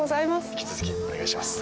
引き続きお願いします。